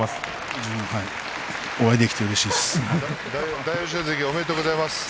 自分もお会いできてうれしいです。